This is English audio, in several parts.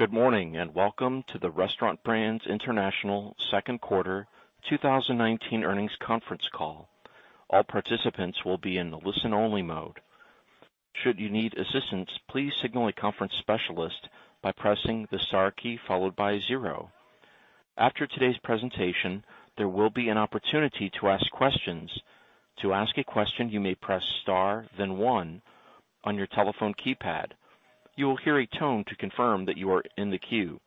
Good morning, welcome to the Restaurant Brands International second quarter 2019 earnings conference call. All participants will be in the listen only mode. Should you need assistance, please signal a conference specialist by pressing the star key followed by zero. After today's presentation, there will be an opportunity to ask questions. To ask a question, you may press star then one on your telephone keypad. You will hear a tone to confirm that you are in the queue.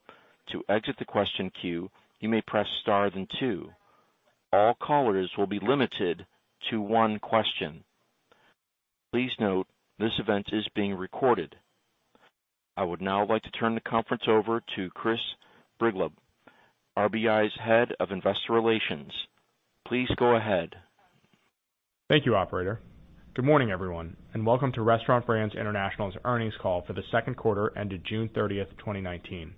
To exit the question queue, you may press star then two. All callers will be limited to one question. Please note, this event is being recorded. I would now like to turn the conference over to Chris Brigleb, RBI's Head of Investor Relations. Please go ahead. Thank you, operator. Good morning, everyone, welcome to Restaurant Brands International's earnings call for the second quarter ended June 30th, 2019.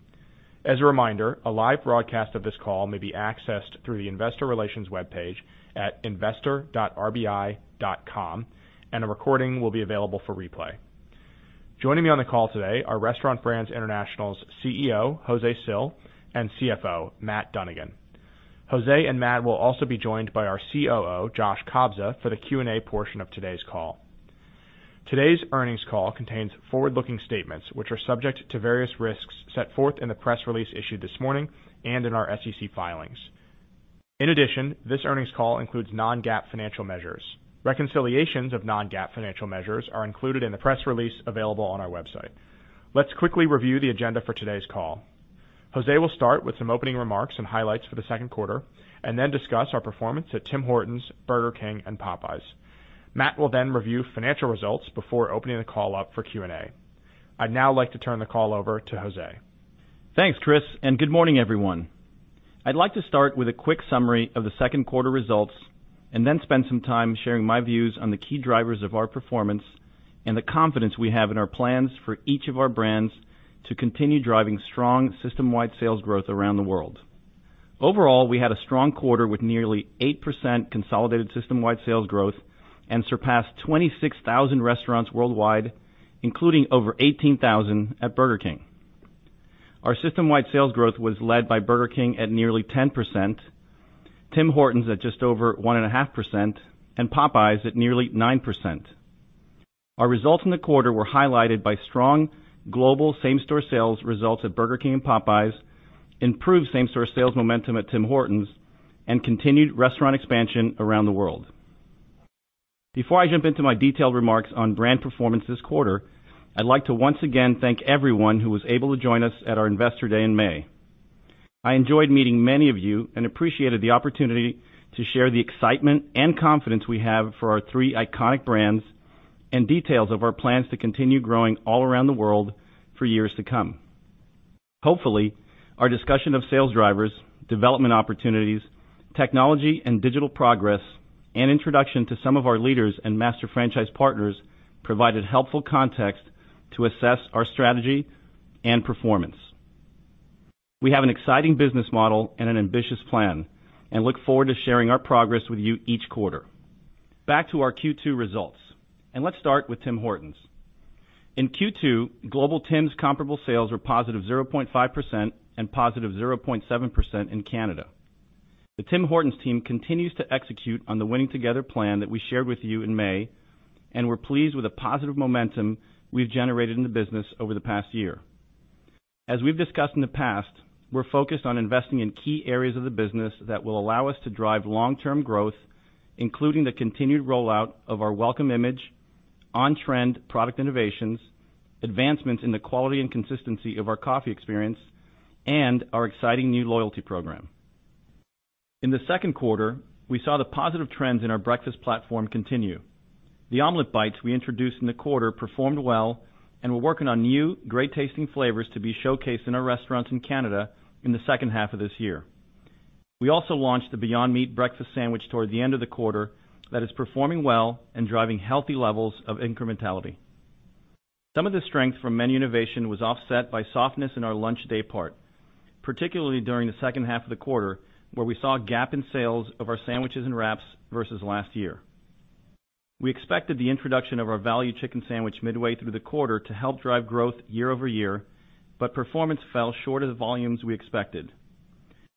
As a reminder, a live broadcast of this call may be accessed through the investor relations webpage at investor.rbi.com, and a recording will be available for replay. Joining me on the call today are Restaurant Brands International's CEO, Jose Cil, and CFO, Matt Dunnigan. Jose and Matt will also be joined by our COO, Josh Kobza, for the Q&A portion of today's call. Today's earnings call contains forward-looking statements which are subject to various risks set forth in the press release issued this morning and in our SEC filings. In addition, this earnings call includes non-GAAP financial measures. Reconciliations of non-GAAP financial measures are included in the press release available on our website. Let's quickly review the agenda for today's call. Jose will start with some opening remarks and highlights for the second quarter, and then discuss our performance at Tim Hortons, Burger King, and Popeyes. Matt will then review financial results before opening the call up for Q&A. I'd now like to turn the call over to Jose. Thanks, Chris. Good morning, everyone. I'd like to start with a quick summary of the second quarter results and then spend some time sharing my views on the key drivers of our performance and the confidence we have in our plans for each of our brands to continue driving strong system-wide sales growth around the world. Overall, we had a strong quarter with nearly 8% consolidated system-wide sales growth and surpassed 26,000 restaurants worldwide, including over 18,000 at Burger King. Our system-wide sales growth was led by Burger King at nearly 10%, Tim Hortons at just over 1.5%, and Popeyes at nearly 9%. Our results in the quarter were highlighted by strong global same-store sales results at Burger King and Popeyes, improved same-store sales momentum at Tim Hortons, and continued restaurant expansion around the world. Before I jump into my detailed remarks on brand performance this quarter, I'd like to once again thank everyone who was able to join us at our investor day in May. I enjoyed meeting many of you and appreciated the opportunity to share the excitement and confidence we have for our three iconic brands and details of our plans to continue growing all around the world for years to come. Hopefully, our discussion of sales drivers, development opportunities, technology and digital progress, and introduction to some of our leaders and master franchise partners provided helpful context to assess our strategy and performance. We have an exciting business model and an ambitious plan and look forward to sharing our progress with you each quarter. Back to our Q2 results, let's start with Tim Hortons. In Q2, global Tim's comparable sales were positive 0.5% and positive 0.7% in Canada. The Tim Hortons team continues to execute on the winning together plan that we shared with you in May, and we're pleased with the positive momentum we've generated in the business over the past year. As we've discussed in the past, we're focused on investing in key areas of the business that will allow us to drive long-term growth, including the continued rollout of our Welcome Image, on-trend product innovations, advancements in the quality and consistency of our coffee experience, and our exciting new loyalty program. In the second quarter, we saw the positive trends in our breakfast platform continue. The Omelette Bites we introduced in the quarter performed well, and we're working on new great-tasting flavors to be showcased in our restaurants in Canada in the second half of this year. We also launched the Beyond Meat breakfast sandwich toward the end of the quarter that is performing well and driving healthy levels of incrementality. Some of the strength from menu innovation was offset by softness in our lunch daypart, particularly during the second half of the quarter, where we saw a gap in sales of our sandwiches and wraps versus last year. We expected the introduction of our value chicken sandwich midway through the quarter to help drive growth year-over-year, but performance fell short of the volumes we expected.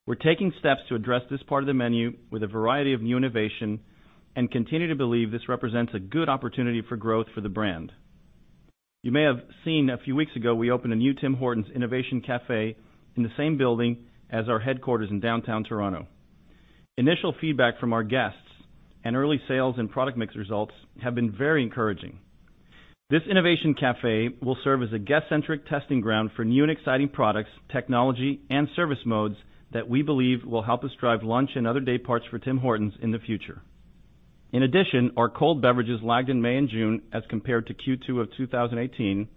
We're taking steps to address this part of the menu with a variety of new innovation and continue to believe this represents a good opportunity for growth for the brand. You may have seen a few weeks ago, we opened a new Tim Hortons innovation cafe in the same building as our headquarters in downtown Toronto. Initial feedback from our guests and early sales and product mix results have been very encouraging. This innovation cafe will serve as a guest-centric testing ground for new and exciting products, technology, and service modes that we believe will help us drive lunch and other day parts for Tim Hortons in the future. In addition, our cold beverages lagged in May and June as compared to Q2 of 2018,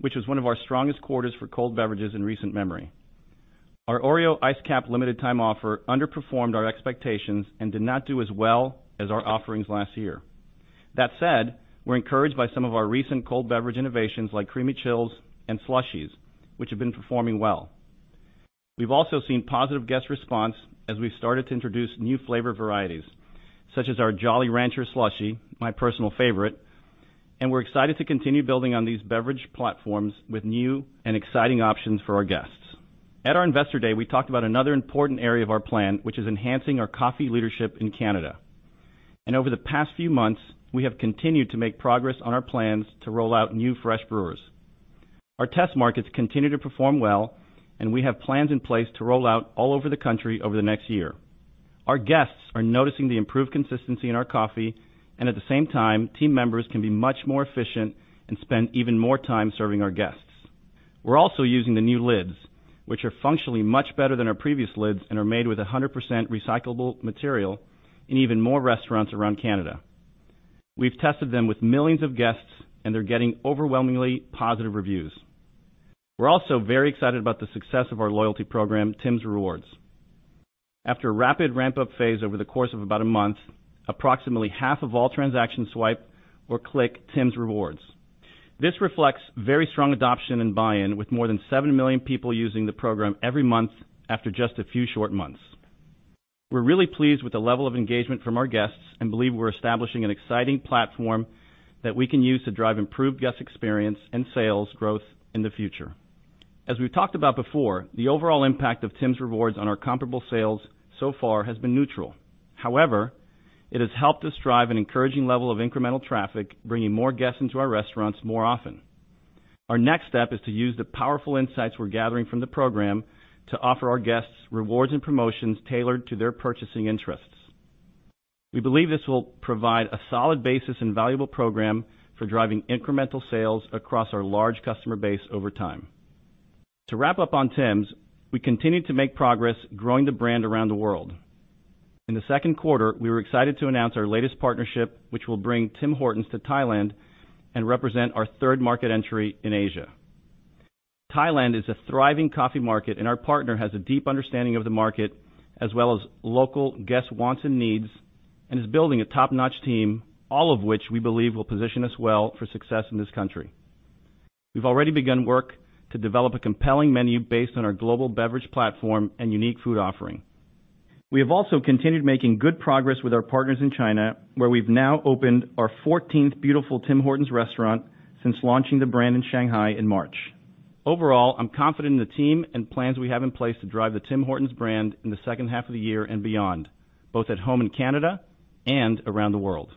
which was one of our strongest quarters for cold beverages in recent memory. Our Oreo Iced Capp limited time offer underperformed our expectations and did not do as well as our offerings last year. That said, we're encouraged by some of our recent cold beverage innovations like Creamy Chills and Slushies, which have been performing well. We've also seen positive guest response as we've started to introduce new flavor varieties, such as our Jolly Rancher Slushie, my personal favorite, and we're excited to continue building on these beverage platforms with new and exciting options for our guests. At our Investor Day, we talked about another important area of our plan, which is enhancing our coffee leadership in Canada. Over the past few months, we have continued to make progress on our plans to roll out new fresh brewers. Our test markets continue to perform well, and we have plans in place to roll out all over the country over the next year. Our guests are noticing the improved consistency in our coffee, and at the same time, team members can be much more efficient and spend even more time serving our guests. We're also using the new lids, which are functionally much better than our previous lids and are made with 100% recyclable material in even more restaurants around Canada. We've tested them with millions of guests, and they're getting overwhelmingly positive reviews. We're also very excited about the success of our loyalty program, Tims Rewards. After a rapid ramp-up phase over the course of about a month, approximately half of all transactions swipe or click Tims Rewards. This reflects very strong adoption and buy-in, with more than seven million people using the program every month after just a few short months. We're really pleased with the level of engagement from our guests and believe we're establishing an exciting platform that we can use to drive improved guest experience and sales growth in the future. As we've talked about before, the overall impact of Tims Rewards on our comparable sales so far has been neutral. However, it has helped us drive an encouraging level of incremental traffic, bringing more guests into our restaurants more often. Our next step is to use the powerful insights we're gathering from the program to offer our guests rewards and promotions tailored to their purchasing interests. We believe this will provide a solid basis and valuable program for driving incremental sales across our large customer base over time. To wrap up on Tims, we continue to make progress growing the brand around the world. In the second quarter, we were excited to announce our latest partnership, which will bring Tim Hortons to Thailand and represent our third market entry in Asia. Thailand is a thriving coffee market, and our partner has a deep understanding of the market as well as local guest wants and needs, and is building a top-notch team, all of which we believe will position us well for success in this country. We've already begun work to develop a compelling menu based on our global beverage platform and unique food offering. We have also continued making good progress with our partners in China, where we've now opened our 14th beautiful Tim Hortons restaurant since launching the brand in Shanghai in March. Overall, I'm confident in the team and plans we have in place to drive the Tim Hortons brand in the second half of the year and beyond, both at home in Canada and around the world.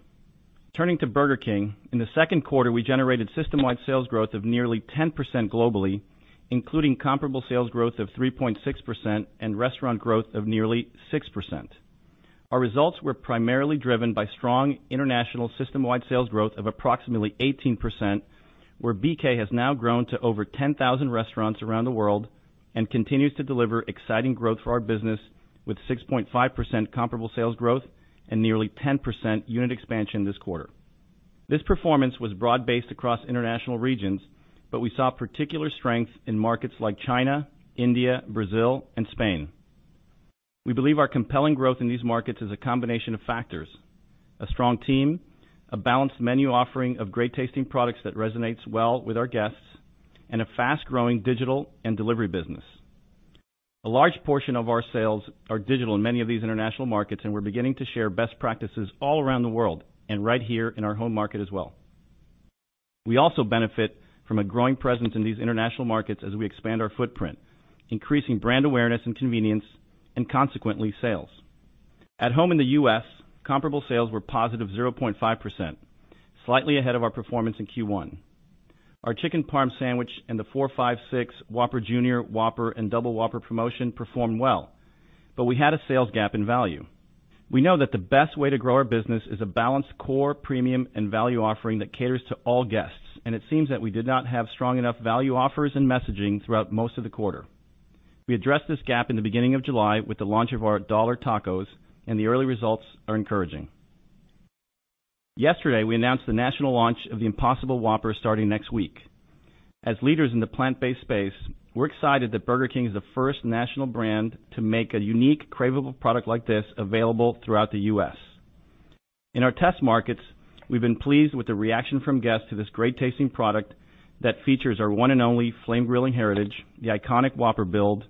Turning to Burger King, in the second quarter, we generated system-wide sales growth of nearly 10% globally, including comparable sales growth of 3.6% and restaurant growth of nearly 6%. Our results were primarily driven by strong international system-wide sales growth of approximately 18%, where BK has now grown to over 10,000 restaurants around the world and continues to deliver exciting growth for our business, with 6.5% comparable sales growth and nearly 10% unit expansion this quarter. This performance was broad-based across international regions, but we saw particular strength in markets like China, India, Brazil, and Spain. We believe our compelling growth in these markets is a combination of factors, a strong team, a balanced menu offering of great-tasting products that resonates well with our guests, and a fast-growing digital and delivery business. A large portion of our sales are digital in many of these international markets, and we're beginning to share best practices all around the world and right here in our home market as well. We also benefit from a growing presence in these international markets as we expand our footprint, increasing brand awareness and convenience, and consequently, sales. At home in the U.S., comparable sales were positive 0.5%, slightly ahead of our performance in Q1. Our Chicken Parm Sandwich and the 4, 5, 6 Whopper Jr., Whopper, and Double Whopper promotion performed well, but we had a sales gap in value. We know that the best way to grow our business is a balanced core, premium, and value offering that caters to all guests. It seems that we did not have strong enough value offers and messaging throughout most of the quarter. We addressed this gap in the beginning of July with the launch of our dollar tacos. The early results are encouraging. Yesterday, we announced the national launch of the Impossible Whopper starting next week. As leaders in the plant-based space, we're excited that Burger King is the first national brand to make a unique, craveable product like this available throughout the U.S. In our test markets, we've been pleased with the reaction from guests to this great-tasting product that features our one and only flame grilling heritage, the iconic Whopper build,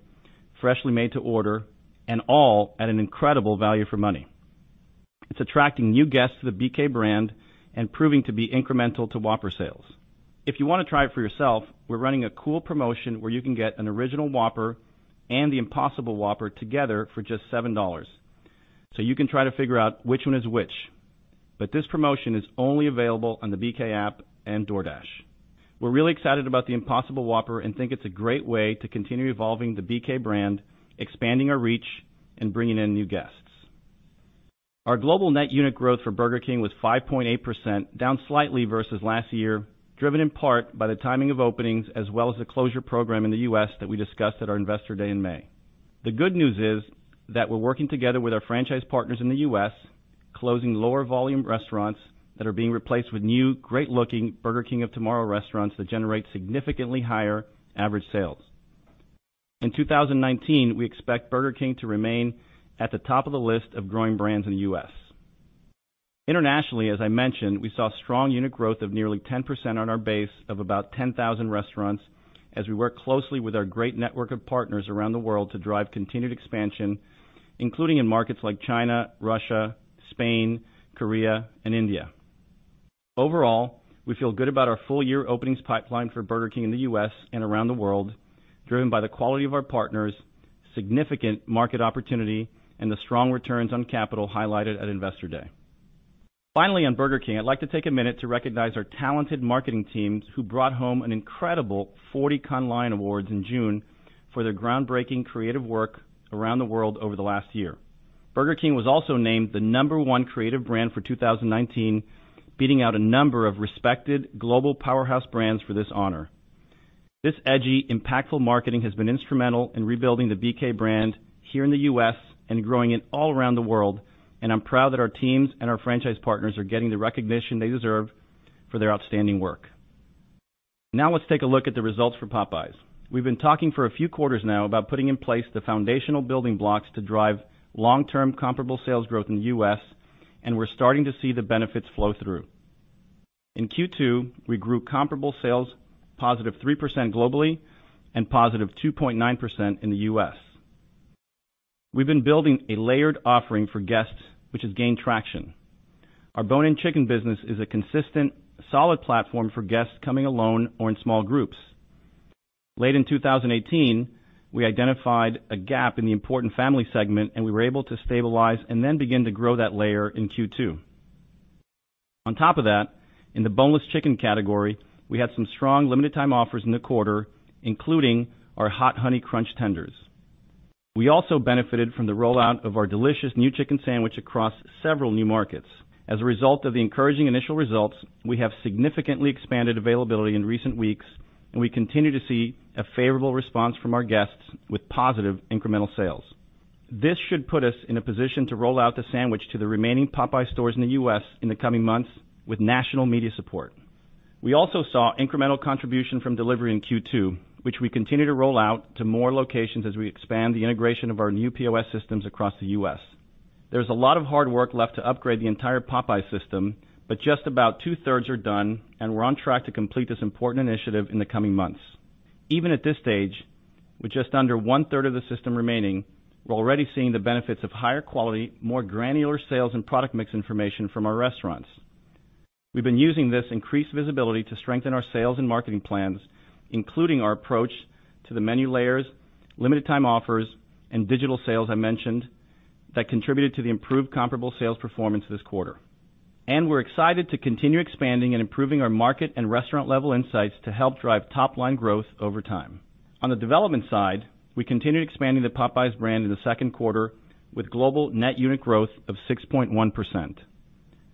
freshly made to order, and all at an incredible value for money. It's attracting new guests to the BK brand and proving to be incremental to Whopper sales. If you want to try it for yourself, we're running a cool promotion where you can get an original Whopper and the Impossible Whopper together for just $7. You can try to figure out which one is which. This promotion is only available on the BK app and DoorDash. We're really excited about the Impossible Whopper and think it's a great way to continue evolving the BK brand, expanding our reach, and bringing in new guests. Our global net unit growth for Burger King was 5.8%, down slightly versus last year, driven in part by the timing of openings as well as the closure program in the U.S. that we discussed at our Investor Day in May. The good news is that we're working together with our franchise partners in the U.S., closing lower volume restaurants that are being replaced with new, great-looking Restaurant of Tomorrow restaurants that generate significantly higher average sales. In 2019, we expect Burger King to remain at the top of the list of growing brands in the U.S. Internationally, as I mentioned, we saw strong unit growth of nearly 10% on our base of about 10,000 restaurants as we work closely with our great network of partners around the world to drive continued expansion, including in markets like China, Russia, Spain, Korea, and India. Overall, we feel good about our full-year openings pipeline for Burger King in the U.S. and around the world, driven by the quality of our partners, significant market opportunity, and the strong returns on capital highlighted at Investor Day. Finally, on Burger King, I'd like to take a minute to recognize our talented marketing teams who brought home an incredible 40 Cannes Lions awards in June for their groundbreaking creative work around the world over the last year. Burger King was also named the number one creative brand for 2019, beating out a number of respected global powerhouse brands for this honor. This edgy, impactful marketing has been instrumental in rebuilding the BK brand here in the U.S. and growing it all around the world, and I'm proud that our teams and our franchise partners are getting the recognition they deserve for their outstanding work. Now let's take a look at the results for Popeyes. We've been talking for a few quarters now about putting in place the foundational building blocks to drive long-term comparable sales growth in the U.S., and we're starting to see the benefits flow through. In Q2, we grew comparable sales positive 3% globally and positive 2.9% in the U.S. We've been building a layered offering for guests, which has gained traction. Our bone-in chicken business is a consistent, solid platform for guests coming alone or in small groups. Late in 2018, we identified a gap in the important family segment, and we were able to stabilize and then begin to grow that layer in Q2. On top of that, in the boneless chicken category, we had some strong limited time offers in the quarter, including our Hot Honey Crunch Tenders. We also benefited from the rollout of our delicious new chicken sandwich across several new markets. As a result of the encouraging initial results, we have significantly expanded availability in recent weeks, and we continue to see a favorable response from our guests with positive incremental sales. This should put us in a position to roll out the sandwich to the remaining Popeyes stores in the U.S. in the coming months with national media support. We also saw incremental contribution from delivery in Q2, which we continue to roll out to more locations as we expand the integration of our new POS systems across the U.S. There's a lot of hard work left to upgrade the entire Popeyes system, but just about two-thirds are done, and we're on track to complete this important initiative in the coming months. Even at this stage, with just under one-third of the system remaining, we're already seeing the benefits of higher quality, more granular sales and product mix information from our restaurants. We've been using this increased visibility to strengthen our sales and marketing plans, including our approach to the menu layers, limited time offers, and digital sales I mentioned that contributed to the improved comparable sales performance this quarter. We're excited to continue expanding and improving our market and restaurant-level insights to help drive top-line growth over time. On the development side, we continued expanding the Popeyes brand in the second quarter with global net unit growth of 6.1%.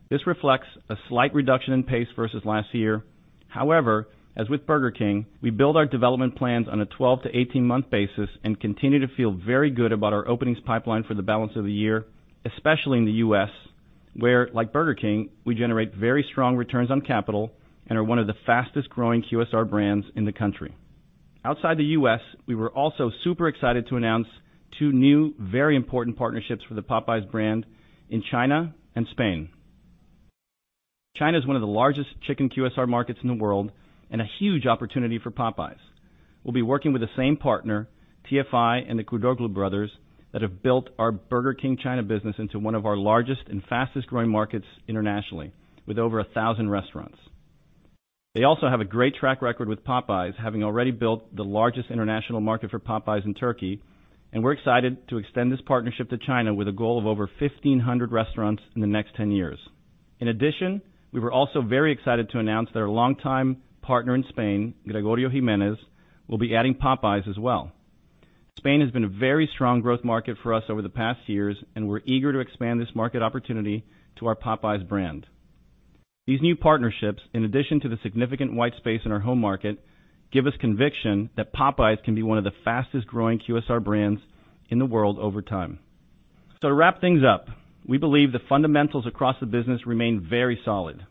This reflects a slight reduction in pace versus last year. However, as with Burger King, we build our development plans on a 12-18 month basis and continue to feel very good about our openings pipeline for the balance of the year, especially in the U.S., where, like Burger King, we generate very strong returns on capital and are one of the fastest-growing QSR brands in the country. Outside the U.S., we were also super excited to announce two new very important partnerships for the Popeyes brand in China and Spain. China's one of the largest chicken QSR markets in the world and a huge opportunity for Popeyes. We'll be working with the same partner, TFI and the Kurdoğlu brothers, that have built our Burger King China business into one of our largest and fastest-growing markets internationally with over 1,000 restaurants. They also have a great track record with Popeyes, having already built the largest international market for Popeyes in Turkey, and we're excited to extend this partnership to China with a goal of over 1,500 restaurants in the next 10 years. In addition, we were also very excited to announce that our longtime partner in Spain, Gregorio Jimenez, will be adding Popeyes as well. Spain has been a very strong growth market for us over the past years, and we're eager to expand this market opportunity to our Popeyes brand. These new partnerships, in addition to the significant white space in our home market, give us conviction that Popeyes can be one of the fastest-growing QSR brands in the world over time. To wrap things up, we believe the fundamentals across the business remain very solid.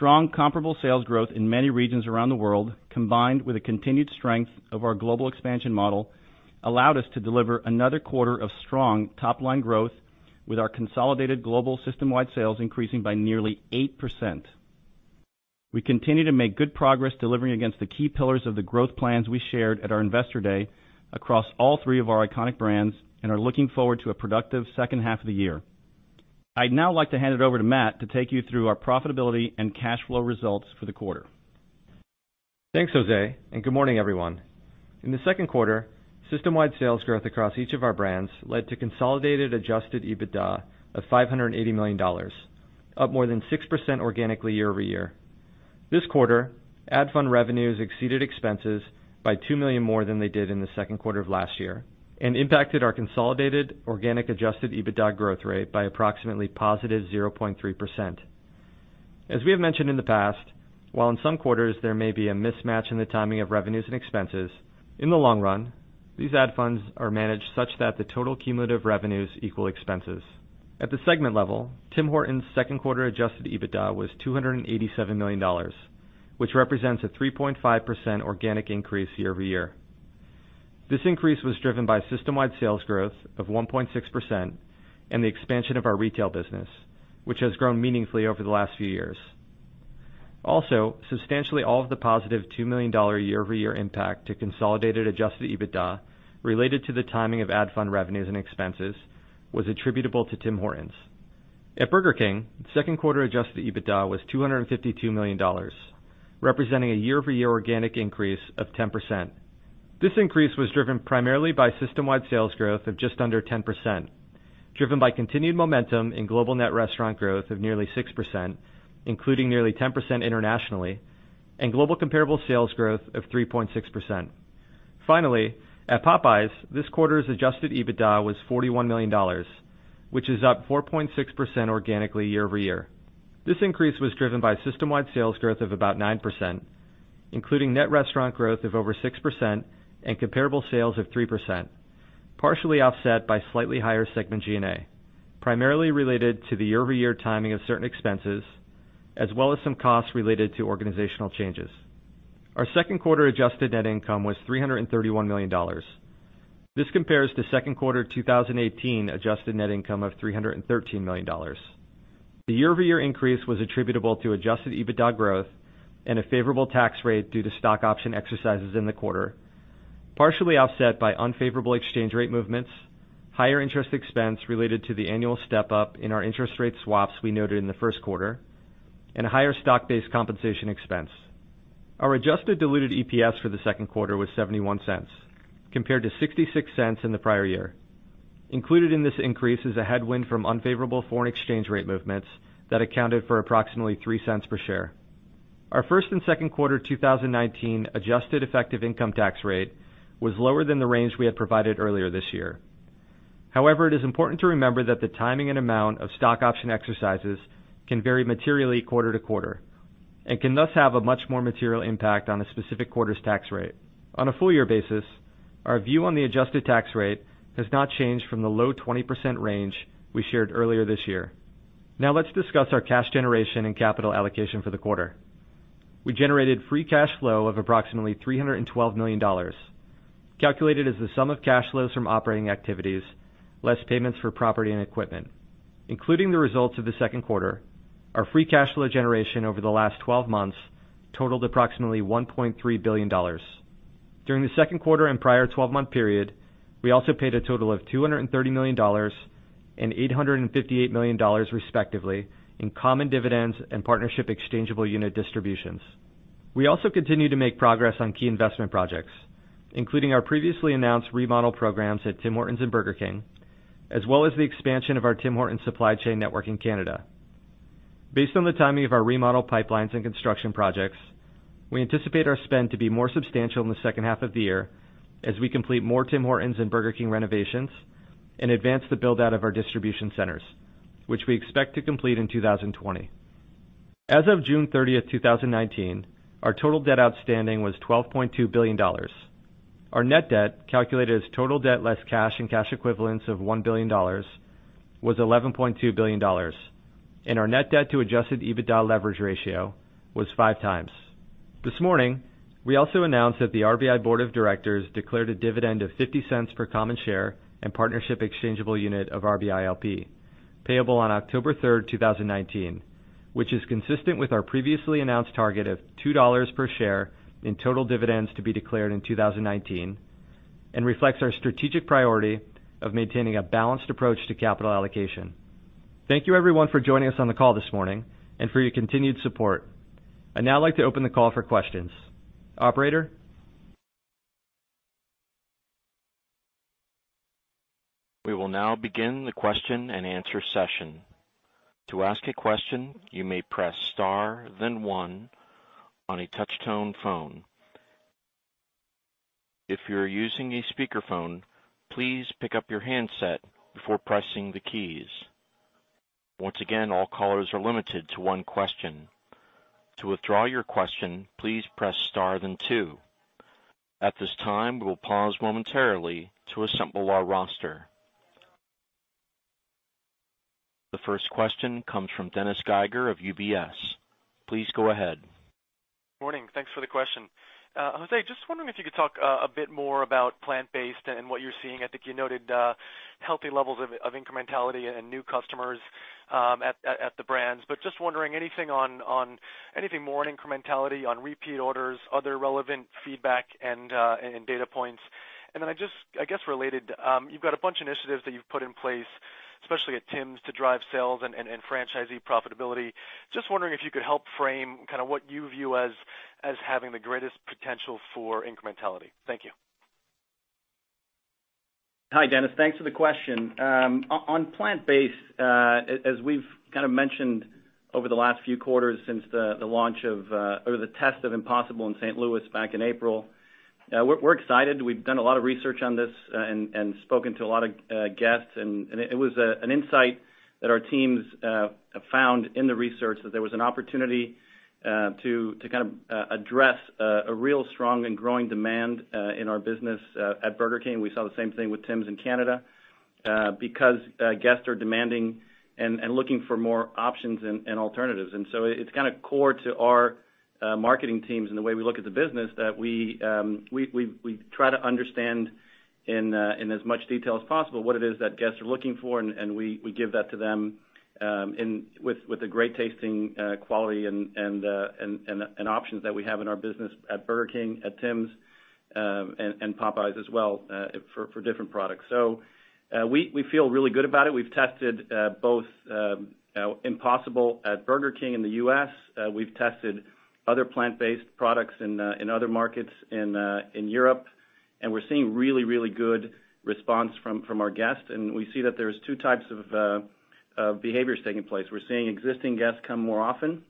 Strong comparable sales growth in many regions around the world, combined with the continued strength of our global expansion model, allowed us to deliver another quarter of strong top-line growth with our consolidated global system-wide sales increasing by nearly 8%. We continue to make good progress delivering against the key pillars of the growth plans we shared at our Investor Day across all three of our iconic brands and are looking forward to a productive second half of the year. I'd now like to hand it over to Matt to take you through our profitability and cash flow results for the quarter. Thanks, Jose, and good morning, everyone. In the second quarter, system-wide sales growth across each of our brands led to consolidated adjusted EBITDA of $580 million, up more than 6% organically year-over-year. This quarter, ad fund revenues exceeded expenses by 2 million more than they did in the second quarter of last year and impacted our consolidated organic adjusted EBITDA growth rate by approximately positive 0.3%. As we have mentioned in the past, while in some quarters there may be a mismatch in the timing of revenues and expenses, in the long run, these ad funds are managed such that the total cumulative revenues equal expenses. At the segment level, Tim Hortons second quarter adjusted EBITDA was $287 million, which represents a 3.5% organic increase year-over-year. This increase was driven by system-wide sales growth of 1.6% and the expansion of our retail business, which has grown meaningfully over the last few years. Also, substantially all of the positive $2 million year-over-year impact to consolidated adjusted EBITDA related to the timing of ad fund revenues and expenses was attributable to Tim Hortons. At Burger King, second quarter adjusted EBITDA was $252 million, representing a year-over-year organic increase of 10%. This increase was driven primarily by system-wide sales growth of just under 10%, driven by continued momentum in global net restaurant growth of nearly 6%, including nearly 10% internationally, and global comparable sales growth of 3.6%. Finally, at Popeyes, this quarter's adjusted EBITDA was $41 million, which is up 4.6% organically year-over-year. This increase was driven by system-wide sales growth of about 9%, including net restaurant growth of over 6% and comparable sales of 3%, partially offset by slightly higher segment G&A, primarily related to the year-over-year timing of certain expenses, as well as some costs related to organizational changes. Our second quarter adjusted net income was $331 million. This compares to second quarter 2018 adjusted net income of $313 million. The year-over-year increase was attributable to adjusted EBITDA growth and a favorable tax rate due to stock option exercises in the quarter, partially offset by unfavorable exchange rate movements, higher interest expense related to the annual step-up in our interest rate swaps we noted in the first quarter, and higher stock-based compensation expense. Our adjusted diluted EPS for the second quarter was $0.71, compared to $0.66 in the prior year. Included in this increase is a headwind from unfavorable foreign exchange rate movements that accounted for approximately $0.03 per share. Our first and second quarter 2019 adjusted effective income tax rate was lower than the range we had provided earlier this year. However, it is important to remember that the timing and amount of stock option exercises can vary materially quarter to quarter and can thus have a much more material impact on a specific quarter's tax rate. On a full year basis, our view on the adjusted tax rate has not changed from the low 20% range we shared earlier this year. Now let's discuss our cash generation and capital allocation for the quarter. We generated free cash flow of approximately $312 million, calculated as the sum of cash flows from operating activities, less payments for property and equipment. Including the results of the second quarter, our free cash flow generation over the last 12 months totaled approximately $1.3 billion. During the second quarter and prior 12-month period, we also paid a total of $230 million and $858 million respectively in common dividends and partnership exchangeable unit distributions. We also continue to make progress on key investment projects, including our previously announced remodel programs at Tim Hortons and Burger King, as well as the expansion of our Tim Hortons supply chain network in Canada. Based on the timing of our remodel pipelines and construction projects, we anticipate our spend to be more substantial in the second half of the year as we complete more Tim Hortons and Burger King renovations and advance the build-out of our distribution centers, which we expect to complete in 2020. As of June 30, 2019, our total debt outstanding was $12.2 billion. Our net debt, calculated as total debt less cash and cash equivalents of $1 billion, was $11.2 billion. Our net debt to adjusted EBITDA leverage ratio was five times. This morning, we also announced that the RBI Board of Directors declared a dividend of $0.50 per common share and partnership exchangeable unit of RBILP, payable on October 3rd, 2019, which is consistent with our previously announced target of $2 per share in total dividends to be declared in 2019 and reflects our strategic priority of maintaining a balanced approach to capital allocation. Thank you, everyone, for joining us on the call this morning and for your continued support. I'd now like to open the call for questions. Operator? We will now begin the question and answer session. To ask a question, you may press star then one on a touch-tone phone. If you're using a speakerphone, please pick up your handset before pressing the keys. Once again, all callers are limited to one question. To withdraw your question, please press star then two. At this time, we will pause momentarily to assemble our roster. The first question comes from Dennis Geiger of UBS. Please go ahead. Morning. Thanks for the question. Jose, just wondering if you could talk a bit more about plant-based and what you're seeing. I think you noted healthy levels of incrementality and new customers at the brands, but just wondering anything more on incrementality on repeat orders, other relevant feedback and data points. I just, I guess related, you've got a bunch of initiatives that you've put in place, especially at Tim's to drive sales and franchisee profitability. Just wondering if you could help frame what you view as having the greatest potential for incrementality. Thank you. Hi, Dennis. Thanks for the question. On plant-based, as we've kind of mentioned over the last few quarters since the launch of or the test of Impossible in St. Louis back in April, we're excited. We've done a lot of research on this and spoken to a lot of guests. It was an insight that our teams found in the research that there was an opportunity to kind of address a real strong and growing demand in our business at Burger King. We saw the same thing with Tim's in Canada. Because guests are demanding and looking for more options and alternatives. It's kind of core to our marketing teams and the way we look at the business that we try to understand in as much detail as possible what it is that guests are looking for, and we give that to them with the great tasting quality and options that we have in our business at Burger King, at Tim's, and Popeyes as well for different products. We feel really good about it. We've tested both Impossible at Burger King in the U.S. We've tested other plant-based products in other markets in Europe, and we're seeing really, really good response from our guests. We see that there's 2 types of behaviors taking place. We're seeing existing guests come more often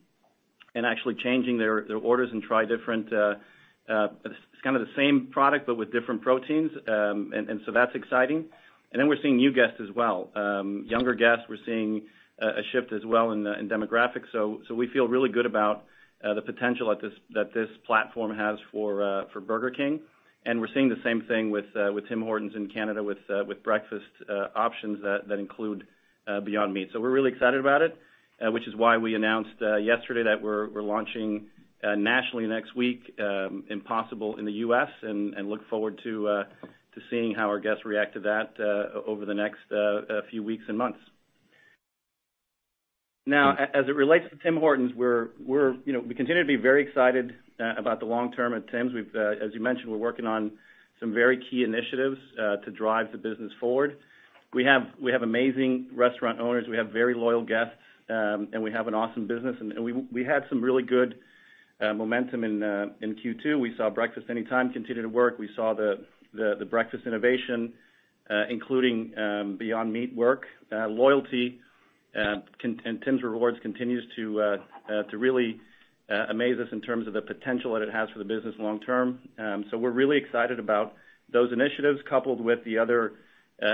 and actually changing their orders and try different It's kind of the same product, but with different proteins. That's exciting. We're seeing new guests as well. Younger guests, we're seeing a shift as well in demographics. We feel really good about the potential that this platform has for Burger King. We're seeing the same thing with Tim Hortons in Canada with breakfast options that include Beyond Meat. We're really excited about it, which is why we announced yesterday that we're launching nationally next week, Impossible in the U.S., and look forward to seeing how our guests react to that over the next few weeks and months. As it relates to Tim Hortons, we continue to be very excited about the long term at Tim's. As you mentioned, we're working on some very key initiatives to drive the business forward. We have amazing restaurant owners, we have very loyal guests, and we have an awesome business. We had some really good momentum in Q2. We saw Breakfast Anytime continue to work. We saw the breakfast innovation including Beyond Meat work. Loyalty and Tims Rewards continues to really amaze us in terms of the potential that it has for the business long term. We're really excited about those initiatives coupled with the other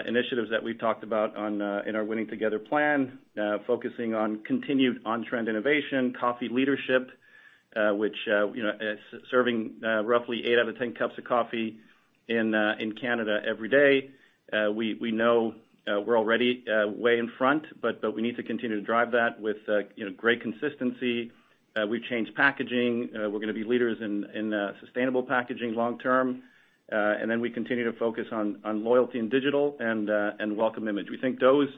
initiatives that we talked about in our Winning Together plan, focusing on continued on-trend innovation, coffee leadership, which is serving roughly eight out of 10 cups of coffee in Canada every day. We know we're already way in front, but we need to continue to drive that with great consistency. We've changed packaging. We're going to be leaders in sustainable packaging long term. We continue to focus on loyalty and digital and welcome image. We think those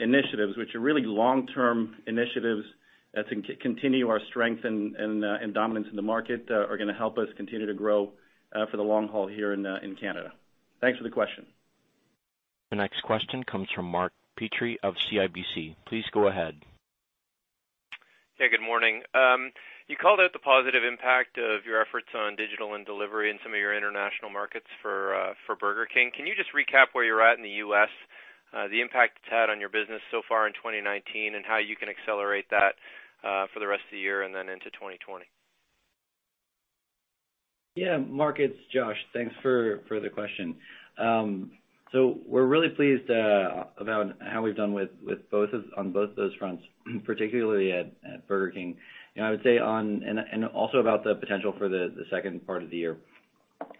initiatives, which are really long-term initiatives to continue our strength and dominance in the market, are going to help us continue to grow for the long haul here in Canada. Thanks for the question. The next question comes from Mark Petrie of CIBC. Please go ahead. Hey, good morning. You called out the positive impact of your efforts on digital and delivery in some of your international markets for Burger King. Can you just recap where you're at in the U.S., the impact it's had on your business so far in 2019, and how you can accelerate that for the rest of the year and then into 2020? Yeah, Mark, it's Josh. Thanks for the question. We're really pleased about how we've done on both those fronts, particularly at Burger King. Also about the potential for the second part of the year.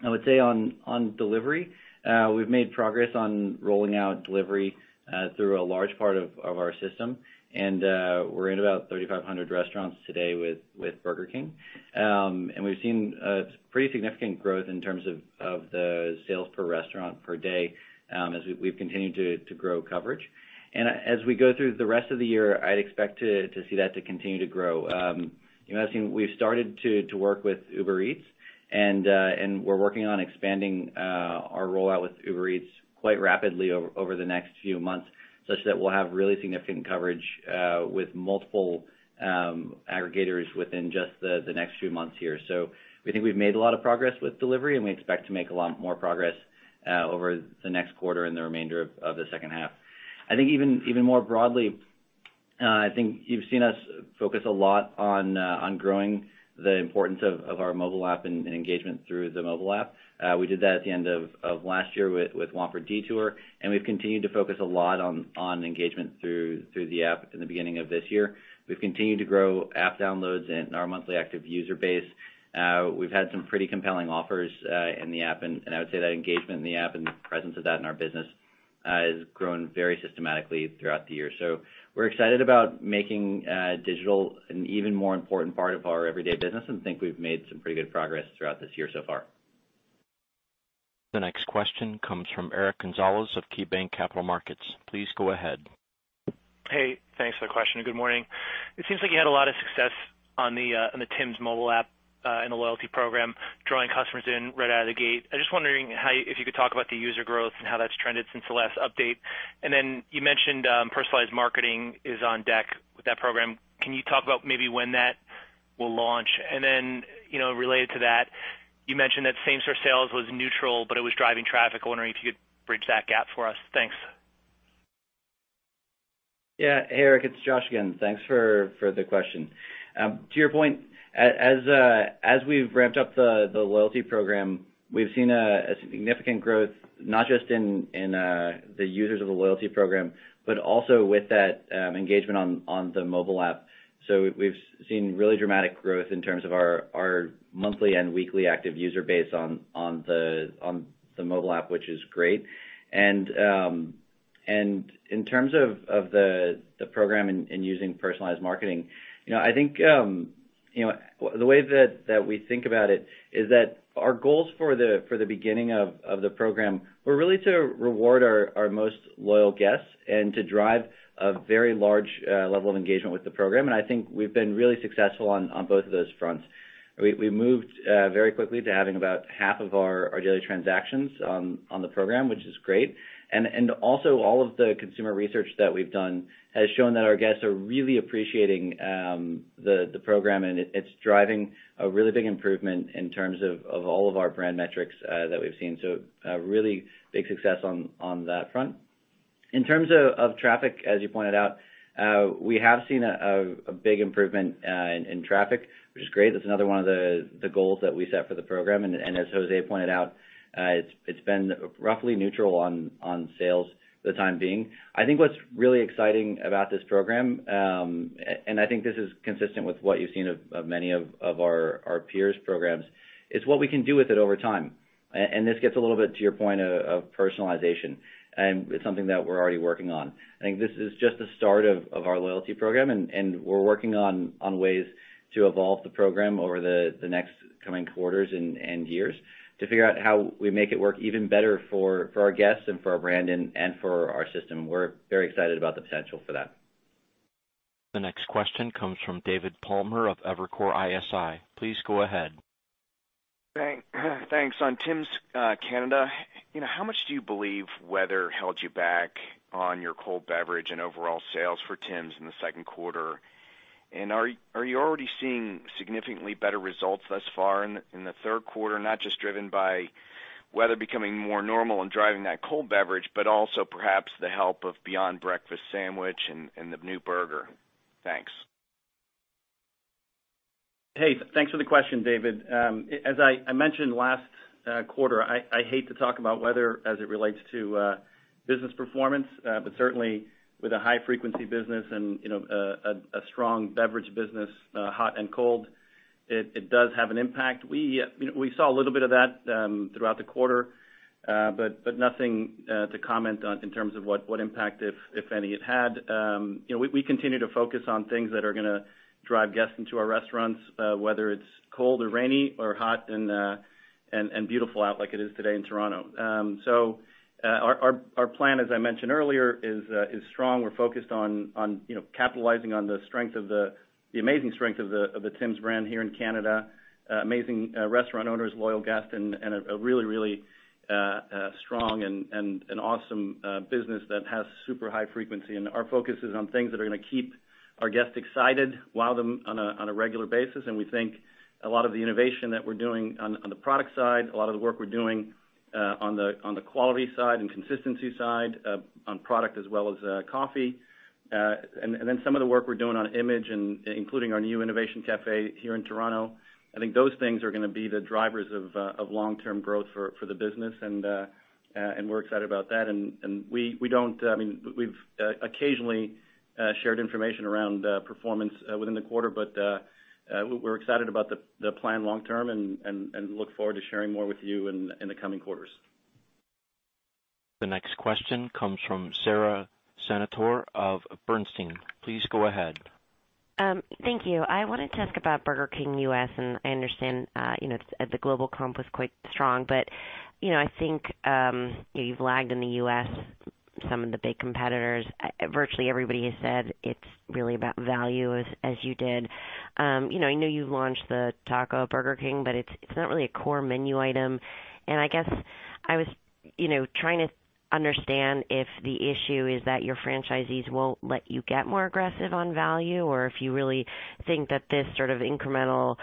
I would say on delivery, we've made progress on rolling out delivery through a large part of our system, and we're in about 3,500 restaurants today with Burger King. We've seen pretty significant growth in terms of the sales per restaurant per day as we've continued to grow coverage. As we go through the rest of the year, I'd expect to see that to continue to grow. As you know, we've started to work with Uber Eats, and we're working on expanding our rollout with Uber Eats quite rapidly over the next few months, such that we'll have really significant coverage with multiple aggregators within just the next few months here. We think we've made a lot of progress with delivery, and we expect to make a lot more progress over the next quarter and the remainder of the second half. Even more broadly, I think you've seen us focus a lot on growing the importance of our mobile app and engagement through the mobile app. We did that at the end of last year with Whopper Detour, and we've continued to focus a lot on engagement through the app in the beginning of this year. We've continued to grow app downloads and our monthly active user base. We've had some pretty compelling offers in the app, and I would say that engagement in the app and the presence of that in our business has grown very systematically throughout the year. We're excited about making digital an even more important part of our everyday business and think we've made some pretty good progress throughout this year so far. The next question comes from Eric Gonzalez of KeyBanc Capital Markets. Please go ahead. Hey, thanks for the question, and good morning. It seems like you had a lot of success on the Tim's mobile app and the loyalty program, drawing customers in right out of the gate. I'm just wondering if you could talk about the user growth and how that's trended since the last update. Then you mentioned personalized marketing is on deck with that program. Can you talk about maybe when that will launch? Then related to that, you mentioned that same store sales was neutral, but it was driving traffic. I'm wondering if you could bridge that gap for us. Thanks. Yeah. Hey, Eric, it's Josh again. Thanks for the question. To your point, as we've ramped up the loyalty program, we've seen a significant growth, not just in the users of the loyalty program, but also with that engagement on the mobile app. We've seen really dramatic growth in terms of our monthly and weekly active user base on the mobile app, which is great. In terms of the program and using personalized marketing, I think the way that we think about it is that our goals for the beginning of the program were really to reward our most loyal guests and to drive a very large level of engagement with the program. I think we've been really successful on both of those fronts. We moved very quickly to having about half of our daily transactions on the program, which is great. Also all of the consumer research that we've done has shown that our guests are really appreciating the program, and it's driving a really big improvement in terms of all of our brand metrics that we've seen. A really big success on that front. In terms of traffic, as you pointed out, we have seen a big improvement in traffic, which is great. That's another one of the goals that we set for the program. As Jose pointed out, it's been roughly neutral on sales for the time being. I think what's really exciting about this program, and I think this is consistent with what you've seen of many of our peers' programs, is what we can do with it over time. This gets a little bit to your point of personalization, and it's something that we're already working on. I think this is just the start of our loyalty program, and we're working on ways to evolve the program over the next coming quarters and years to figure out how we make it work even better for our guests and for our brand and for our system. We're very excited about the potential for that. The next question comes from David Palmer of Evercore ISI. Please go ahead. Thanks. On Tim's Canada, how much do you believe weather held you back on your cold beverage and overall sales for Tim's in the second quarter? Are you already seeing significantly better results thus far in the third quarter, not just driven by weather becoming more normal and driving that cold beverage, but also perhaps the help of Beyond Breakfast Sandwich and the new burger? Thanks. Hey, thanks for the question, David. As I mentioned last quarter, I hate to talk about weather as it relates to business performance. Certainly, with a high-frequency business and a strong beverage business, hot and cold, it does have an impact. We saw a little bit of that throughout the quarter. Nothing to comment on in terms of what impact, if any, it had. We continue to focus on things that are going to drive guests into our restaurants, whether it's cold or rainy or hot and beautiful out like it is today in Toronto. Our plan, as I mentioned earlier, is strong. We're focused on capitalizing on the amazing strength of the Tim's brand here in Canada. Amazing restaurant owners, loyal guests, and a really strong and awesome business that has super high frequency. Our focus is on things that are going to keep our guests excited, wow them on a regular basis, and we think a lot of the innovation that we're doing on the product side, a lot of the work we're doing on the quality side and consistency side on product as well as coffee, and then some of the work we're doing on image, including our new innovation cafe here in Toronto, I think those things are going to be the drivers of long-term growth for the business, and we're excited about that. We've occasionally shared information around performance within the quarter, but we're excited about the plan long term and look forward to sharing more with you in the coming quarters. The next question comes from Sara Senatore of Bernstein. Please go ahead. Thank you. I wanted to ask about Burger King U.S., and I understand the global comp was quite strong, but I think you've lagged in the U.S., some of the big competitors. Virtually everybody has said it's really about value as you did. I know you've launched the Taco Burger King, but it's not really a core menu item. I guess I was trying to understand if the issue is that your franchisees won't let you get more aggressive on value, or if you really think that this sort of incremental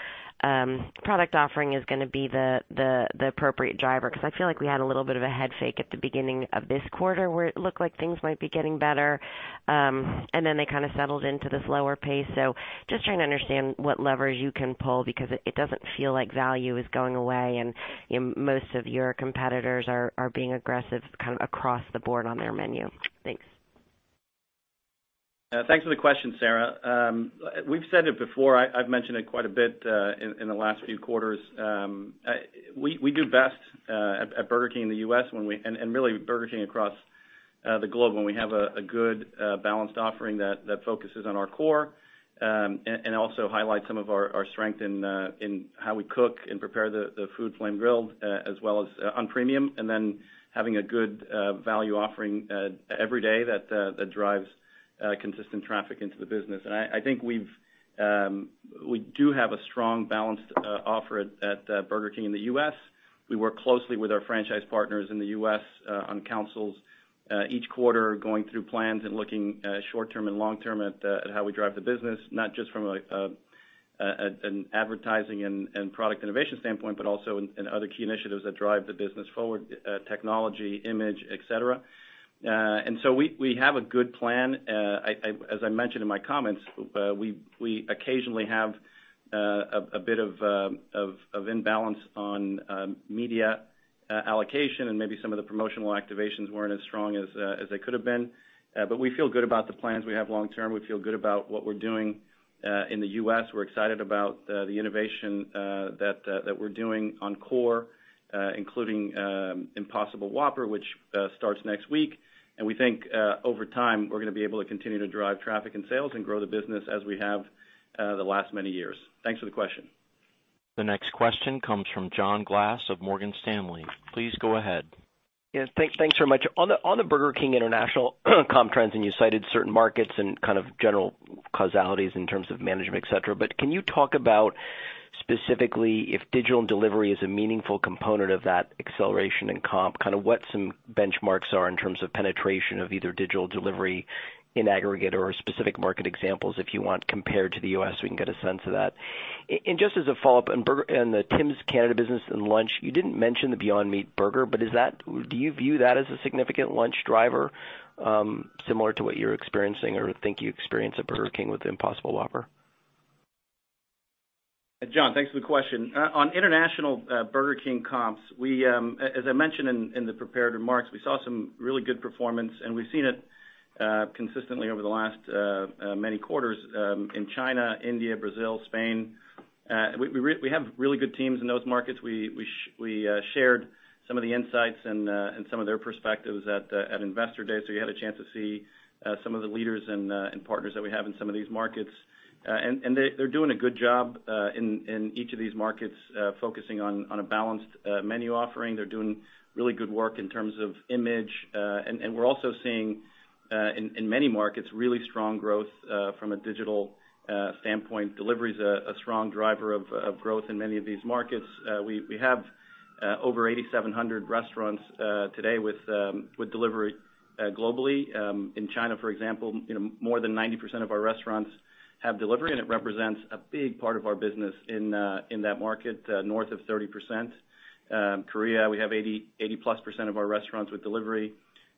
product offering is going to be the appropriate driver, because I feel like we had a little bit of a head fake at the beginning of this quarter where it looked like things might be getting better, and then they kind of settled into this lower pace? Just trying to understand what levers you can pull because it doesn't feel like value is going away, and most of your competitors are being aggressive kind of across the board on their menu. Thanks. Thanks for the question, Sara. We've said it before, I've mentioned it quite a bit in the last few quarters. We do best at Burger King in the U.S. and really Burger King across the globe when we have a good balanced offering that focuses on our core and also highlights some of our strength in how we cook and prepare the food flame grilled as well as on premium, and then having a good value offering every day that drives consistent traffic into the business. I think we do have a strong balanced offer at Burger King in the U.S. We work closely with our franchise partners in the U.S. on councils each quarter, going through plans and looking short-term and long-term at how we drive the business, not just from an advertising and product innovation standpoint, but also in other key initiatives that drive the business forward, technology, image, et cetera. We have a good plan. As I mentioned in my comments, we occasionally have a bit of imbalance on media. Allocation and maybe some of the promotional activations weren't as strong as they could've been. We feel good about the plans we have long term. We feel good about what we're doing, in the U.S. We're excited about the innovation that we're doing on core, including Impossible Whopper, which starts next week. We think, over time, we're going to be able to continue to drive traffic and sales and grow the business as we have the last many years. Thanks for the question. The next question comes from John Glass of Morgan Stanley. Please go ahead. Yeah. Thanks very much. On the Burger King international comp trends, you cited certain markets and kind of general causalities in terms of management, et cetera. Can you talk about specifically if digital and delivery is a meaningful component of that acceleration in comp, what some benchmarks are in terms of penetration of either digital delivery in aggregate or specific market examples, if you want, compared to the U.S., we can get a sense of that. Just as a follow-up, on the Tim's Canada business and lunch, you didn't mention the Beyond Meat burger, but do you view that as a significant lunch driver, similar to what you're experiencing or think you experience at Burger King with the Impossible Whopper? John, thanks for the question. On international Burger King comps, as I mentioned in the prepared remarks, we saw some really good performance, and we've seen it consistently over the last many quarters, in China, India, Brazil, Spain. We have really good teams in those markets. We shared some of the insights and some of their perspectives at Investor Day, so you had a chance to see some of the leaders and partners that we have in some of these markets. They're doing a good job in each of these markets, focusing on a balanced menu offering. They're doing really good work in terms of image. We're also seeing, in many markets, really strong growth from a digital standpoint. Delivery is a strong driver of growth in many of these markets. We have over 8,700 restaurants today with delivery globally. In China, for example, more than 90% of our restaurants have delivery, and it represents a big part of our business in that market, north of 30%. Korea, we have 80-plus percent of our restaurants with delivery.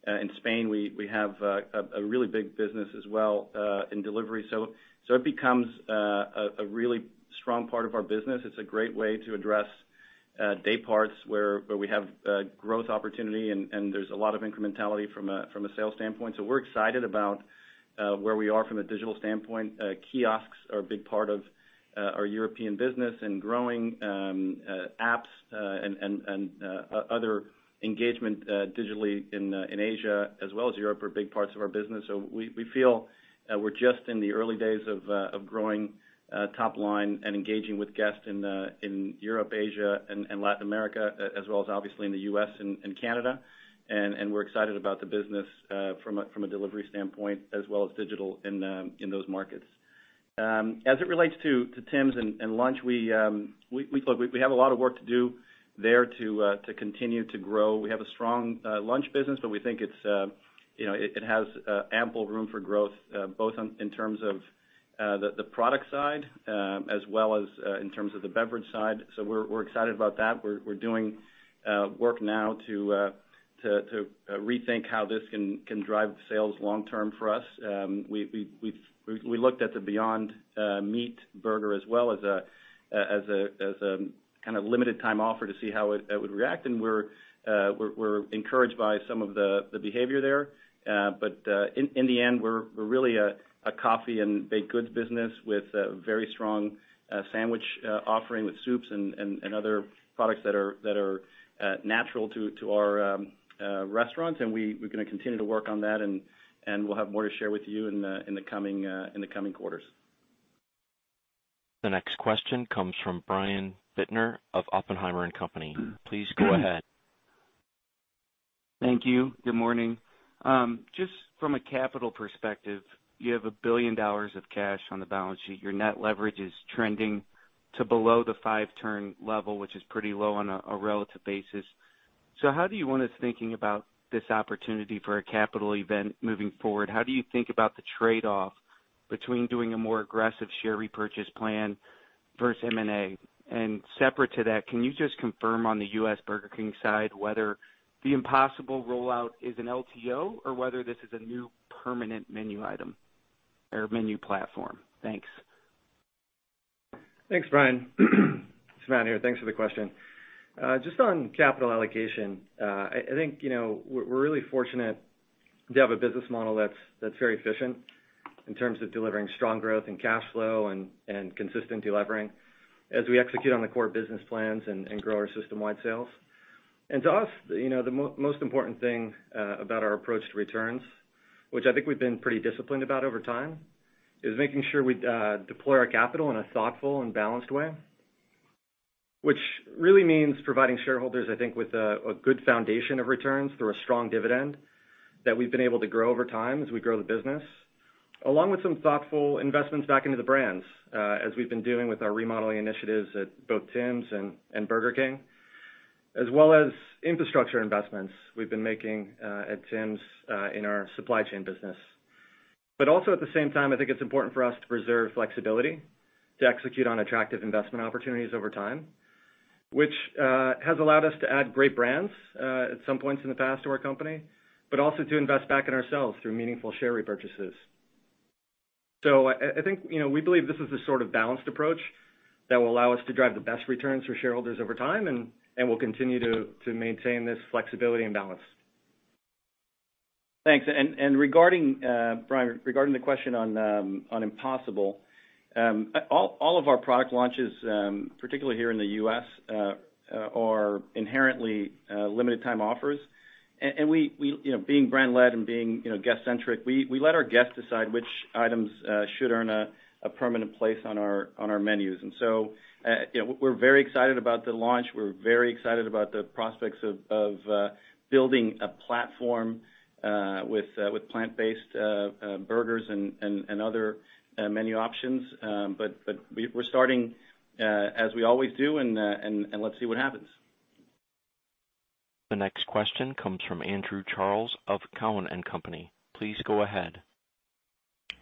In Spain, we have a really big business as well in delivery. It becomes a really strong part of our business. It's a great way to address day parts where we have growth opportunity, and there's a lot of incrementality from a sales standpoint. We're excited about where we are from a digital standpoint. Kiosks are a big part of our European business and growing apps and other engagement digitally in Asia as well as Europe are big parts of our business. We feel we're just in the early days of growing top line and engaging with guests in Europe, Asia and Latin America, as well as obviously in the U.S. and Canada. We're excited about the business from a delivery standpoint as well as digital in those markets. As it relates to Tims and lunch, we have a lot of work to do there to continue to grow. We have a strong lunch business, but we think it has ample room for growth, both in terms of the product side as well as in terms of the beverage side. We're excited about that. We're doing work now to rethink how this can drive sales long term for us. We looked at the Beyond Meat burger as well as a kind of limited time offer to see how it would react, and we're encouraged by some of the behavior there. In the end, we're really a coffee and baked goods business with a very strong sandwich offering with soups and other products that are natural to our restaurants, and we're going to continue to work on that, and we'll have more to share with you in the coming quarters. The next question comes from Brian Bittner of Oppenheimer & Company. Please go ahead. Thank you. Good morning. Just from a capital perspective, you have $1 billion of cash on the balance sheet. Your net leverage is trending to below the 5 turn level, which is pretty low on a relative basis. How do you want us thinking about this opportunity for a capital event moving forward? How do you think about the trade-off between doing a more aggressive share repurchase plan versus M&A? Separate to that, can you just confirm on the U.S. Burger King side whether the Impossible rollout is an LTO or whether this is a new permanent menu item or menu platform? Thanks. Thanks, Brian. It's Matt here. Thanks for the question. Just on capital allocation, I think we're really fortunate to have a business model that's very efficient in terms of delivering strong growth and cash flow and consistent delevering as we execute on the core business plans and grow our system-wide sales. To us, the most important thing about our approach to returns, which I think we've been pretty disciplined about over time, is making sure we deploy our capital in a thoughtful and balanced way, which really means providing shareholders, I think with a good foundation of returns through a strong dividend that we've been able to grow over time as we grow the business, along with some thoughtful investments back into the brands, as we've been doing with our remodeling initiatives at both Tim's and Burger King, as well as infrastructure investments we've been making at Tim's in our supply chain business. Also at the same time, I think it's important for us to preserve flexibility to execute on attractive investment opportunities over time, which has allowed us to add great brands at some points in the past to our company, but also to invest back in ourselves through meaningful share repurchases. I think we believe this is the sort of balanced approach that will allow us to drive the best returns for shareholders over time, and we'll continue to maintain this flexibility and balance. Thanks. Brian, regarding the question on Impossible. All of our product launches, particularly here in the U.S., are inherently limited time offers. Being brand led and being guest centric, we let our guests decide which items should earn a permanent place on our menus. We're very excited about the launch. We're very excited about the prospects of building a platform with plant-based burgers and other menu options. We're starting as we always do, and let's see what happens. The next question comes from Andrew Charles of Cowen and Company. Please go ahead.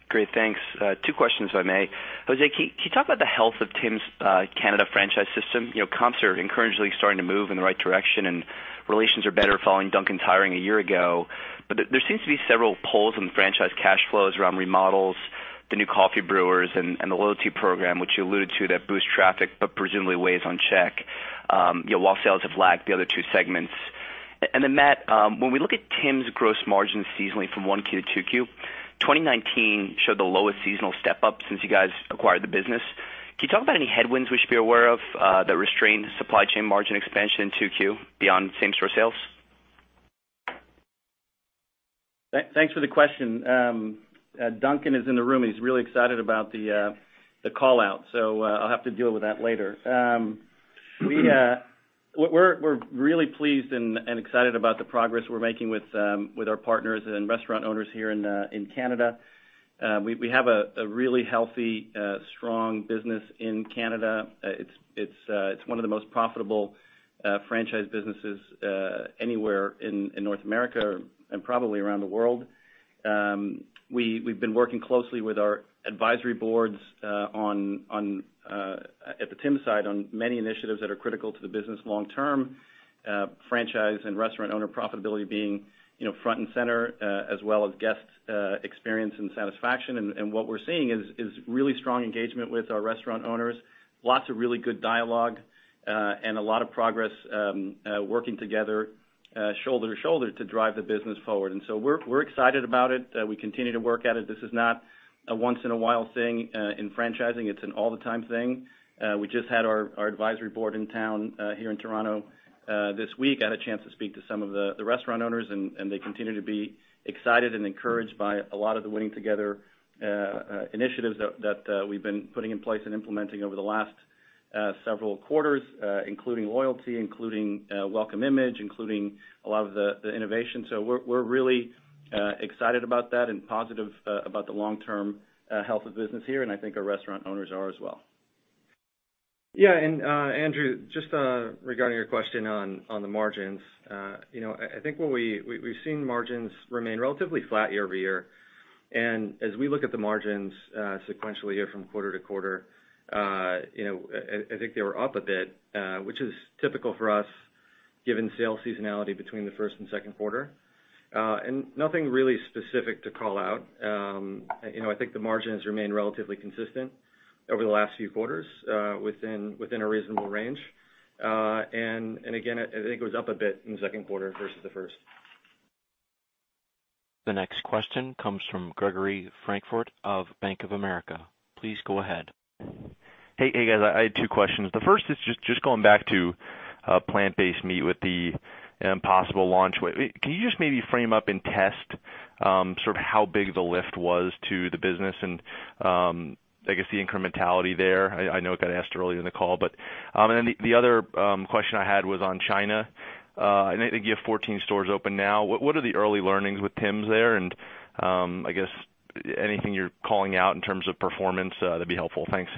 Great. Thanks. Two questions, if I may. Jose, can you talk about the health of Tim's Canada franchise system? Comps are encouragingly starting to move in the right direction, and relations are better following Duncan Fulton a year ago. There seems to be several pulls in franchise cash flows around remodels, the new coffee brewers, and the loyalty program, which you alluded to, that boost traffic, but presumably weighs on check, while sales have lagged the other two segments. Then Matt, when we look at Tim's gross margins seasonally from one Q to two Q, 2019 showed the lowest seasonal step up since you guys acquired the business. Can you talk about any headwinds we should be aware of that restrain supply chain margin expansion in two Q beyond same store sales? Thanks for the question. Duncan is in the room, and he's really excited about the call-out, so I'll have to deal with that later. We're really pleased and excited about the progress we're making with our partners and restaurant owners here in Canada. We have a really healthy, strong business in Canada. It's one of the most profitable franchise businesses anywhere in North America and probably around the world. We've been working closely with our advisory boards at the Tim side on many initiatives that are critical to the business long term, franchise and restaurant owner profitability being front and center, as well as guest experience and satisfaction. What we're seeing is really strong engagement with our restaurant owners, lots of really good dialogue, and a lot of progress working together shoulder to shoulder to drive the business forward. We're excited about it. We continue to work at it. This is not a once in a while thing in franchising. It's an all the time thing. We just had our advisory board in town here in Toronto this week. Had a chance to speak to some of the restaurant owners, and they continue to be excited and encouraged by a lot of the winning together initiatives that we've been putting in place and implementing over the last several quarters, including loyalty, including welcome image, including a lot of the innovation. We're really excited about that and positive about the long term health of business here, and I think our restaurant owners are as well. Yeah. Andrew, just regarding your question on the margins. I think we've seen margins remain relatively flat year-over-year. As we look at the margins sequentially here from quarter-to-quarter, I think they were up a bit, which is typical for us given sales seasonality between the first and second quarter. Nothing really specific to call out. I think the margins remain relatively consistent over the last few quarters within a reasonable range. Again, I think it was up a bit in the second quarter versus the first. The next question comes from Gregory Francfort of Bank of America. Please go ahead. Hey, guys. I had two questions. The first is just going back to plant-based meat with the Impossible launch. Can you just maybe frame up and test sort of how big the lift was to the business and, I guess, the incrementality there? I know it got asked earlier in the call. Then the other question I had was on China. I think you have 14 stores open now. What are the early learnings with Tim's there? I guess, anything you're calling out in terms of performance, that'd be helpful. Thanks.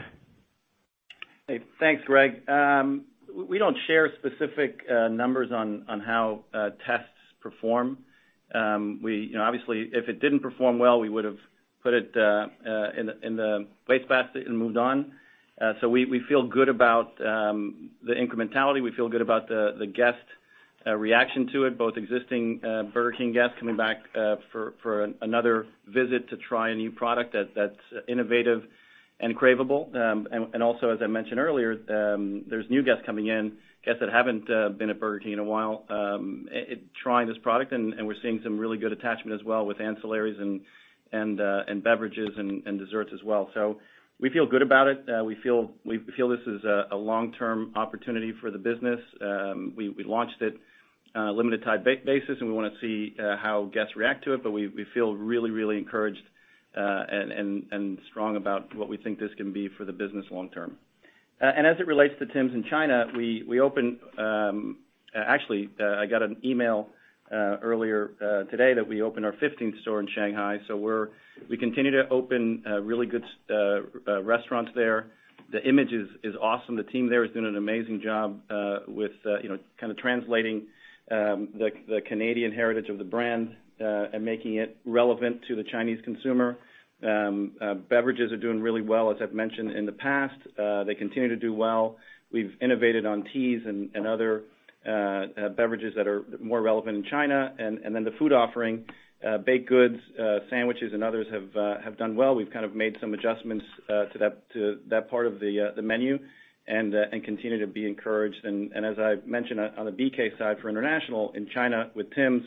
Hey, thanks, Greg. We don't share specific numbers on how tests perform. Obviously, if it didn't perform well, we would've put it in the wastebasket and moved on. We feel good about the incrementality. We feel good about the guest reaction to it, both existing Burger King guests coming back for another visit to try a new product that's innovative and craveable. Also, as I mentioned earlier, there's new guests coming in, guests that haven't been at Burger King in a while, trying this product, and we're seeing some really good attachment as well with ancillaries and beverages and desserts as well. We feel good about it. We feel this is a long-term opportunity for the business. We launched it limited time basis, and we want to see how guests react to it, but we feel really encouraged and strong about what we think this can be for the business long term. As it relates to Tims in China, actually, I got an email earlier today that we opened our 15th store in Shanghai. We continue to open really good restaurants there. The image is awesome. The team there has done an amazing job with kind of translating the Canadian heritage of the brand and making it relevant to the Chinese consumer. Beverages are doing really well, as I've mentioned in the past. They continue to do well. We've innovated on teas and other beverages that are more relevant in China. The food offering, baked goods, sandwiches, and others have done well. We've kind of made some adjustments to that part of the menu and continue to be encouraged. As I've mentioned on the BK side for international in China with Tim's,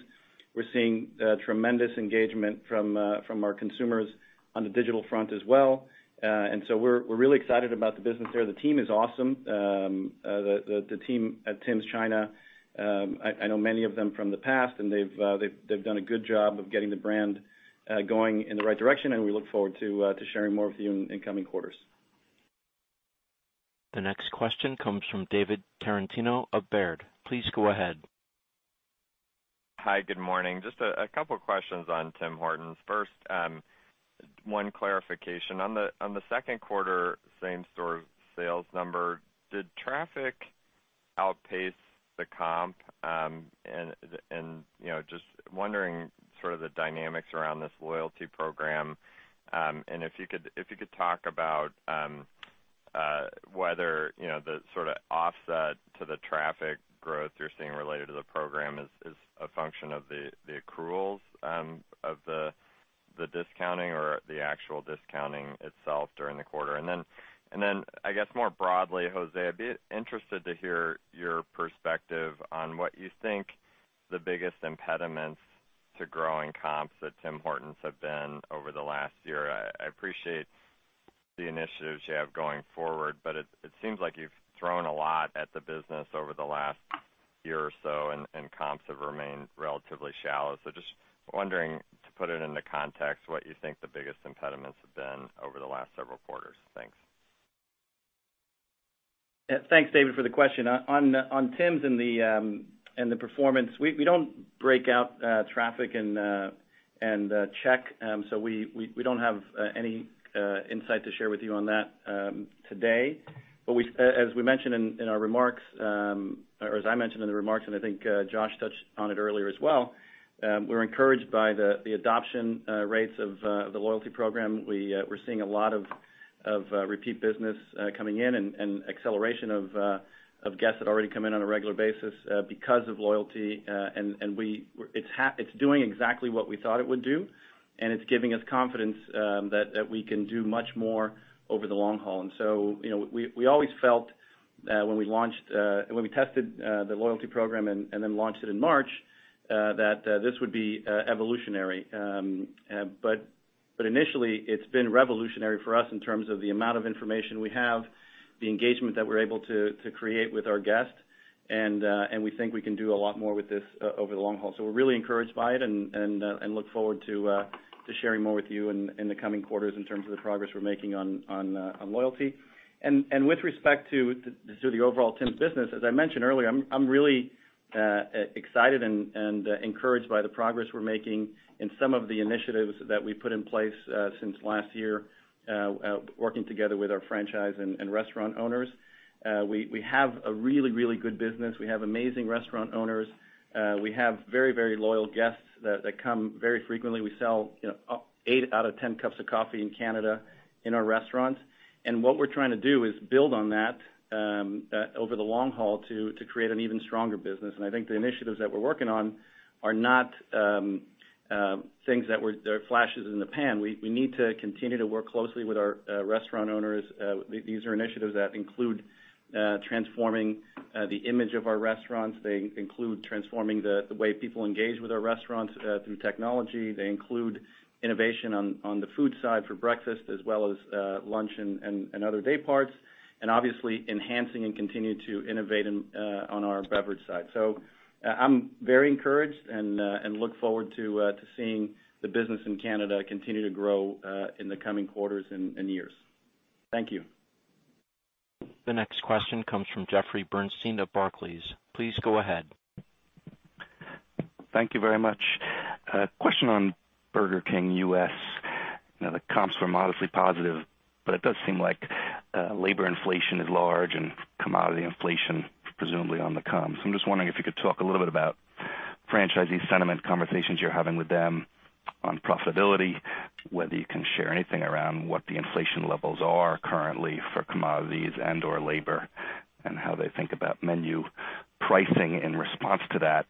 we're seeing tremendous engagement from our consumers on the digital front as well. We're really excited about the business there. The team is awesome. The team at Tim's China, I know many of them from the past, and they've done a good job of getting the brand going in the right direction, and we look forward to sharing more with you in the coming quarters. The next question comes from David Tarantino of Baird. Please go ahead. Hi. Good morning. Just a couple questions on Tim Hortons. First, one clarification. On the second quarter same-store sales number, did traffic outpace the comp? Just wondering sort of the dynamics around this loyalty program. If you could talk about whether the sort of offset to the traffic growth you're seeing related to the program is a function of the accruals of the discounting or the actual discounting itself during the quarter. I guess more broadly, Jose, I'd be interested to hear your perspective on what you think the biggest impediments to growing comps at Tim Hortons have been over the last year. I appreciate the initiatives you have going forward, but it seems like you've thrown a lot at the business over the last year or so, and comps have remained relatively shallow. Just wondering, to put it into context, what you think the biggest impediments have been over the last several quarters. Thanks. Thanks, David, for the question. On Tim's and the performance, we don't break out traffic and check, so we don't have any insight to share with you on that today. As we mentioned in our remarks, or as I mentioned in the remarks, and I think Josh touched on it earlier as well, we're encouraged by the adoption rates of the loyalty program. We're seeing a lot of repeat business coming in and acceleration of guests that already come in on a regular basis because of loyalty. It's doing exactly what we thought it would do, and it's giving us confidence that we can do much more over the long haul. We always felt when we tested the loyalty program and then launched it in March, that this would be evolutionary. Initially, it's been revolutionary for us in terms of the amount of information we have, the engagement that we're able to create with our guests, and we think we can do a lot more with this over the long haul. We're really encouraged by it and look forward to sharing more with you in the coming quarters in terms of the progress we're making on loyalty. With respect to the overall Tim business, as I mentioned earlier, I'm really excited and encouraged by the progress we're making and some of the initiatives that we put in place since last year, working together with our franchise and restaurant owners. We have a really good business. We have amazing restaurant owners. We have very, very loyal guests that come very frequently. We sell eight out of 10 cups of coffee in Canada in our restaurants. What we're trying to do is build on that over the long haul to create an even stronger business, and I think the initiatives that we're working on are not things that are flashes in the pan. We need to continue to work closely with our restaurant owners. These are initiatives that include transforming the image of our restaurants. They include transforming the way people engage with our restaurants through technology. They include innovation on the food side for breakfast as well as lunch and other day parts, and obviously enhancing and continue to innovate on our beverage side. I'm very encouraged and look forward to seeing the business in Canada continue to grow in the coming quarters and years. Thank you. The next question comes from Jeffrey Bernstein of Barclays. Please go ahead. Thank you very much. A question on Burger King U.S. The comps were modestly positive, but it does seem like labor inflation is large and commodity inflation presumably on the costs. I'm just wondering if you could talk a little bit about franchisee sentiment, conversations you're having with them on profitability, whether you can share anything around what the inflation levels are currently for commodities and/or labor, and how they think about menu pricing in response to that.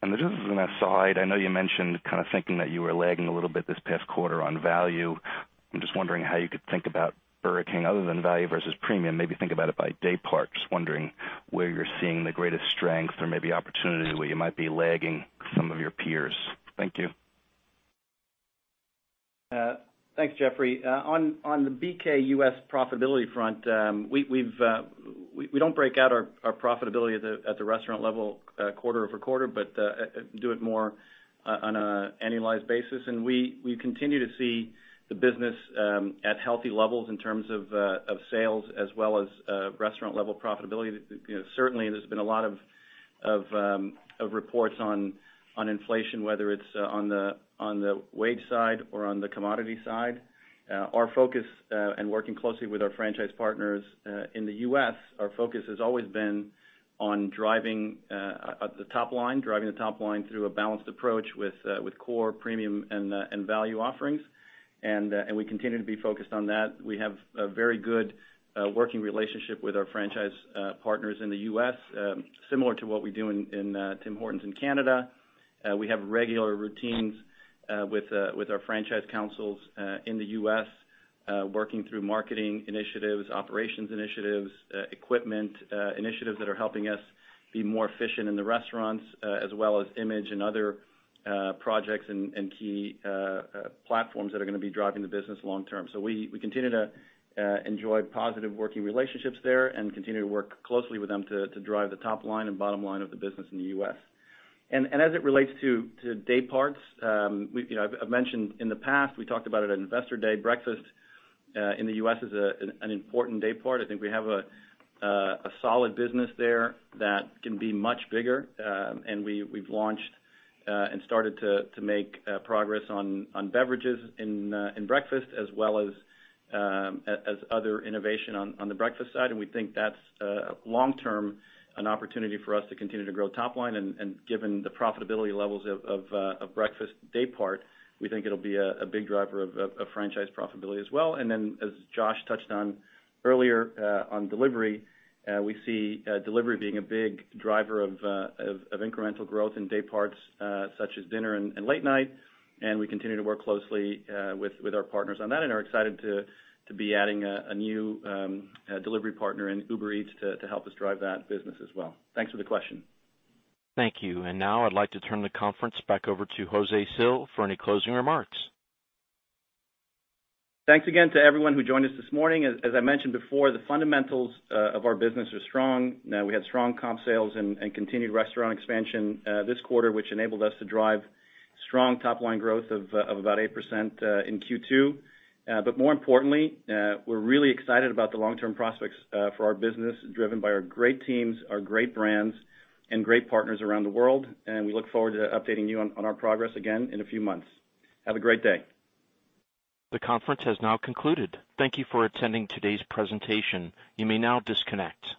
This is an aside, I know you mentioned kind of thinking that you were lagging a little bit this past quarter on value. I'm just wondering how you could think about Burger King other than value versus premium, maybe think about it by day part, just wondering where you're seeing the greatest strength or maybe opportunities where you might be lagging some of your peers. Thank you. Thanks, Jeffrey. On the BK U.S. profitability front, we don't break out our profitability at the restaurant level quarter-over-quarter, but do it more on an annualized basis, and we continue to see the business at healthy levels in terms of sales as well as restaurant-level profitability. Certainly, there's been a lot of reports on inflation, whether it's on the wage side or on the commodity side. Our focus and working closely with our franchise partners in the U.S., our focus has always been on driving the top line through a balanced approach with core premium and value offerings. We continue to be focused on that. We have a very good working relationship with our franchise partners in the U.S., similar to what we do in Tim Hortons in Canada. We have regular routines with our franchise councils in the U.S. Working through marketing initiatives, operations initiatives, equipment initiatives that are helping us be more efficient in the restaurants, as well as image and other projects and key platforms that are going to be driving the business long term. We continue to enjoy positive working relationships there and continue to work closely with them to drive the top line and bottom line of the business in the U.S. As it relates to day parts, I've mentioned in the past, we talked about it at Investor Day, breakfast in the U.S. is an important day part. I think we have a solid business there that can be much bigger. We've launched and started to make progress on beverages in breakfast as well as other innovation on the breakfast side. We think that's, long term, an opportunity for us to continue to grow top line. Given the profitability levels of breakfast day part, we think it'll be a big driver of franchise profitability as well. As Josh touched on earlier on delivery, we see delivery being a big driver of incremental growth in day parts such as dinner and late night. We continue to work closely with our partners on that and are excited to be adding a new delivery partner in Uber Eats to help us drive that business as well. Thanks for the question. Thank you. Now I'd like to turn the conference back over to Jose Cil for any closing remarks. Thanks again to everyone who joined us this morning. As I mentioned before, the fundamentals of our business are strong. We had strong comp sales and continued restaurant expansion this quarter, which enabled us to drive strong top-line growth of about 8% in Q2. More importantly, we're really excited about the long-term prospects for our business, driven by our great teams, our great brands, and great partners around the world. We look forward to updating you on our progress again in a few months. Have a great day. The conference has now concluded. Thank you for attending today's presentation. You may now disconnect.